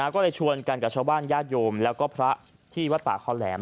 ก็เลยชวนกันกับชาวบ้านญาติโยมแล้วก็พระที่วัดป่าคอแหลม